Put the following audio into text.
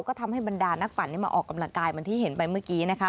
ก็ทำให้บรรดานักปั่นมาออกกำลังกายเหมือนที่เห็นไปเมื่อกี้นะคะ